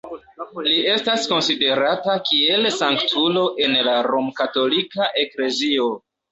Li estas konsiderata kiel sanktulo en la Rom-katolika eklezio.